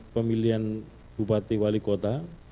pemilihan bupati wali kota